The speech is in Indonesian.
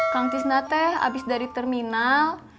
kang tisna teh habis dari terminal